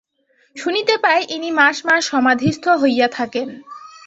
শুনিতে পাই, ইনি মাস মাস সমাধিস্থ হইয়া থাকেন।